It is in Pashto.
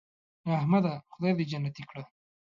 احمده خدای دې جنتې کړه .